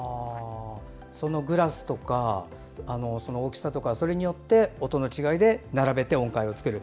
グラスとか、大きさとかそれによって音の違いで並べて音階を作ると。